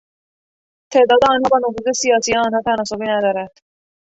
تعداد آنها با نفوذ سیاسی آنها تناسبی ندارد.